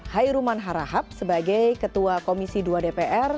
hairuman harahap sebagai ketua komisi dua dpr